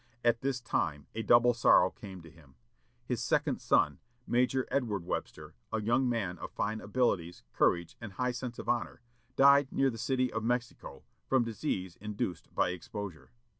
At this time a double sorrow came to him. His second son, Major Edward Webster, a young man of fine abilities, courage, and high sense of honor, died near the city of Mexico, from disease induced by exposure.